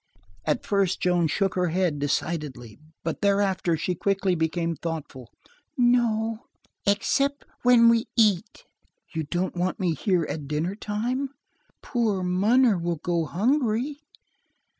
At first Joan shook her head decidedly, but thereafter she quickly became thoughtful. "No, except when we eat." "You don't want me here at dinner time? Poor munner will get so hungry."